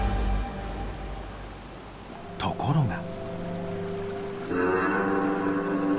ところが。